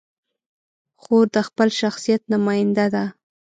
خور د خپل شخصیت نماینده ده.